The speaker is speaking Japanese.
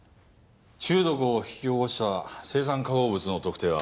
中毒を引き起こした青酸化合物の特定は？